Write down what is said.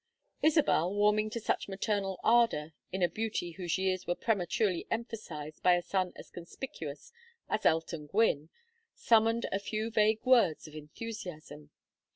Isabel, warming to such maternal ardor in a beauty whose years were prematurely emphasized by a son as conspicuous as Elton Gwynne, summoned a few vague words of enthusiasm.